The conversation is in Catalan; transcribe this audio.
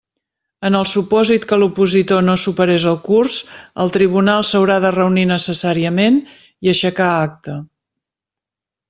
En el supòsit que l'opositor no superés el Curs, el Tribunal s'haurà de reunir necessàriament i aixecà acta.